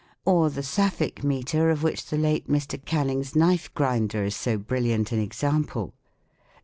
Or the Sapphic metre of which the late Mr. Can ning's " Knife Grinder" is so brilliant an example.